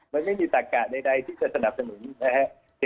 มันไม่มีศักดิ์กะใดที่จะสนับสนุนนะฮะ